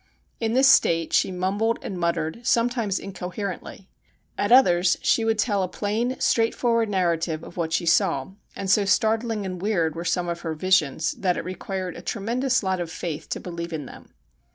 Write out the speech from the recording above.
In this state she mumbled and muttered, sometimes incoherently ; at others she would tell a plain, straightforward narrative of what she saw ; and so startling and weird were some of her ' visions ' that it required a tremendous lot of faith to believe in them.